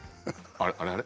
あれあれ？